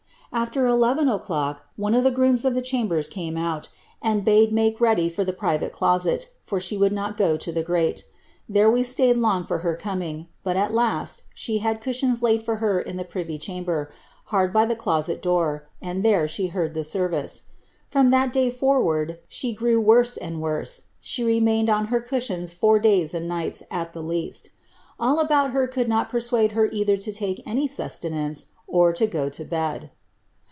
After eleven o'clock, one of the grooms (of the chambers) came out, and bade make ready for the private closet, for she would not go to the great There we smyed long for her coming ; but at the last she had CBshions laid for her in the privy chamber, hard by the closet door, and there she heard the service. From that day forward she grew worse aod worse ; she remained upon her cushions four days and niglits at the kast All about her could not persuade her either to take any suste lance, or to go to bed."